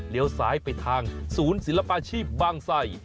ซ้ายไปทางศูนย์ศิลปาชีพบางไส